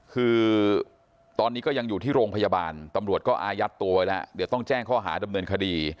คือตอนนี้ก็ยังอยู่ที่โรงพยาบาลตำรวจก็อายัดตัวไว้แล้วเดี๋ยวต้องแจ้งข้อหาดำเนินคดี